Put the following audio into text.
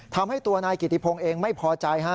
ทำให้ตัวนายกิติพงศ์เองไม่พอใจฮะ